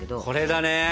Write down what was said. これだね。